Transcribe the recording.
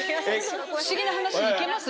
不思議な話に行けます？